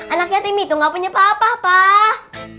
anak yatim itu gak punya papa pak